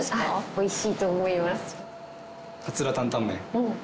おいしいと思います。